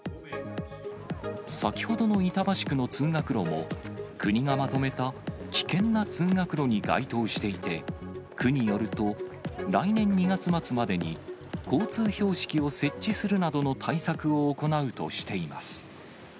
先ほどの板橋区の通学路も、国がまとめた危険な通学路に該当していて、区によると、来年２月末までに、交通標識を設置するなどの対策を行うとしています。